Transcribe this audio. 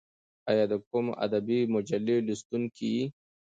ایا ته د کوم ادبي مجلې لوستونکی یې؟